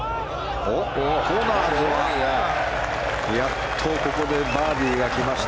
コナーズはやっとここでバーディーが来ました。